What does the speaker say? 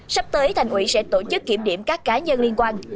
sắp tới thành ủy sẽ tổ chức kiểm điểm các cá nhân liên quan